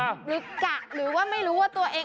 หรือกะหรือว่าไม่รู้ว่าตัวเอง